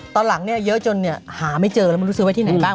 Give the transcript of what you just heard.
ตอนหลังเนี่ยเยอะจนหาไม่เจอแล้วมันรู้สึกไว้ที่ไหนบ้าง